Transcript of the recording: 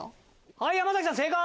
はい山崎さん正解！